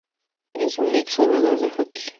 Es un ex jugador de Hockey.